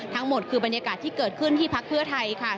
ทั้งหมดคือบรรยากาศที่เกิดขึ้นที่พักเพื่อไทยค่ะ